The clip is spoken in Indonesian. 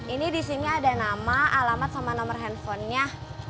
ini di sini ada nama alamat sama nomor handphonenya